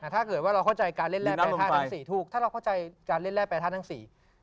ถ้าเกิดว่าเราเข้าใจการเล่นแร่แปรท่าทั้งสี่ถูกถ้าเราเข้าใจการเล่นแร่แปรท่าทั้งสี่